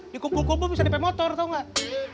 dikumpul kumpul bisa dipe motor tau gak